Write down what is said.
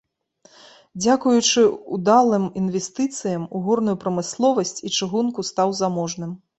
Дзякуючы ўдалым інвестыцыям у горную прамысловасць і чыгунку стаў заможным.